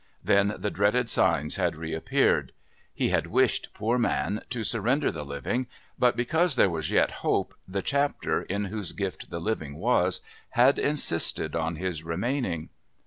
Then the dreaded signs had reappeared; he had wished, poor man, to surrender the living, but because there was yet hope the Chapter, in whose gift the living was, had insisted on his remaining.